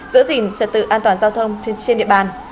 giữ gìn trật tự an toàn giao thông trên địa bàn